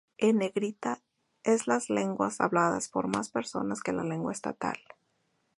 En negrita es las lenguas habladas por más personas que la lengua estatal.